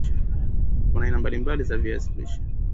kuna aina mbali mbali za viazi lishe